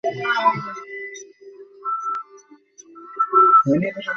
পাশে উচ্ছিষ্ট খাবারের ওপর আরেকটি পাত্রে খাসির কলিজা সেদ্ধ রাখা।